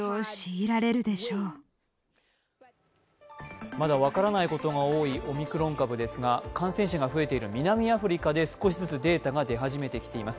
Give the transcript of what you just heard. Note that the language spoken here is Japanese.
更にまだ分からないことが多いオミクロン株ですが感染者が増えている南アフリカで少しずつデータが出始めています。